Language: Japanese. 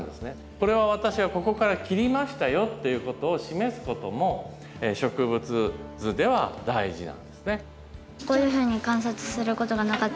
これは私はここから切りましたよっていうことを示すことも植物図では大事なんですね。